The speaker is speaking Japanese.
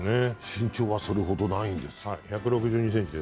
身長はそれほどないんですよ。